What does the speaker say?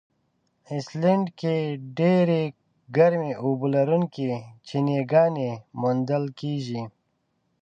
آیسلنډ کې ډېرې ګرمي اوبه لرونکي چینهګانې موندل کیږي.